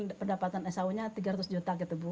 jadi pendapatan sao nya tiga ratus juta gitu bu